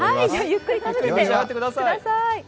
ゆっくり食べててください。